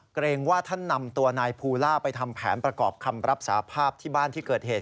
เกรงว่าท่านนำตัวนายภูล่าไปทำแผนประกอบคำรับสาภาพที่บ้านที่เกิดเหตุ